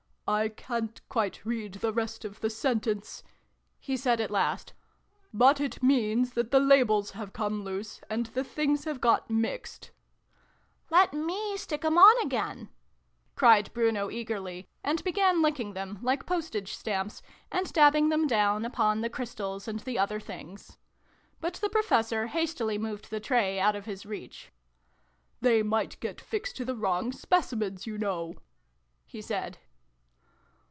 " I ca'n't quite read the rest of the sentence," he said at last, " but it means that the labels have come loose, and the Things have got mixed " Let me stick 'em on again !" cried Bruno eagerly, and began licking them, like postage stamps, and dabbing them down upon the Crys tals and the other Things. But the Professor hastily moved the tray out of his reach. " They might get fixed to the wrong Specimens, you know !" he said.